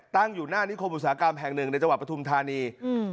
ตั้งอยู่หน้านิคมอุตสาหกรรมแห่งหนึ่งในจังหวัดปฐุมธานีอืม